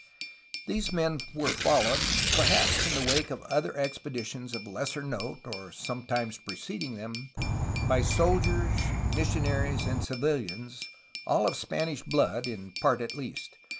These men were followed, perhaps in the wake of other expeditions of lesser note (or sometimes preceding them), by soldiers, missionaries, and civilians, all of Spanish blood, in part at least.